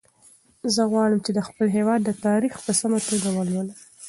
زه غواړم چې د خپل هېواد تاریخ په سمه توګه ولولم.